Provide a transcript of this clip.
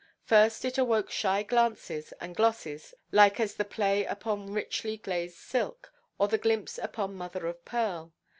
First it awoke shy glances and glosses, light as the play upon richly–glazed silk, or the glimpse upon mother–of–pearl.